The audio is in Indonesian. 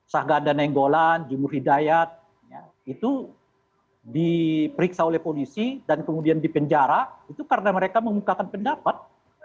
sahgada nenggolan jumur hidayat itu diperiksa oleh polisi dan kemudian dipenjara itu karena mereka memukakan pendapat